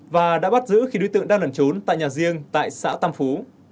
và đã bắt giữ khi đối tượng đang lẩn trốn tại nhà riêng tại xã tam phú